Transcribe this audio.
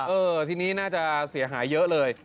เออทีนี้น่าจะเสียหายเยอะเลย